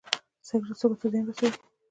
سګرټ سږو ته زیان رسوي